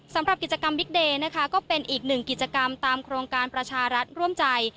สำหรับกิจกรรมบิ๊กเดย์นะคะก็เป็นอีกหนึ่งกิจกรรมตามโครงการประชารัฐร่วมใจ